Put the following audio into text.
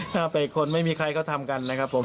ถ้าไปคนไม่มีใครก็ทำกันนะครับผม